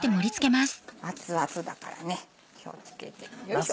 熱々だからね気を付けてよいしょ。